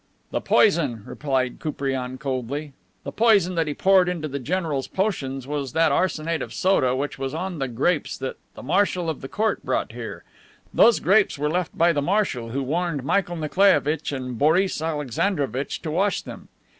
"The poison," replied Koupriane coldly, "the poison that he poured into the general's potion was that arsenate of soda which was on the grapes the Marshal of the Court brought here. Those grapes were left by the Marshal, who warned Michael Nikolaievitch and Boris Alexandrovitch to wash them.